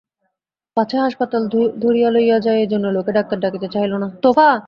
পাছে হাসপাতালে ধরিয়া লইয়া যায় এজন্য লোকে ডাক্তার ডাকিতে চাহিল না।